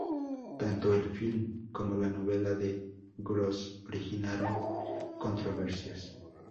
Tanto el film como la novela de Gross originaron controversias.